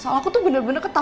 kamu tidak bisa